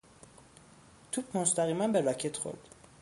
توپ مستقیما به راکت خورد.